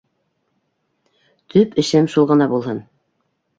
Төп эшем шул ғына булһын!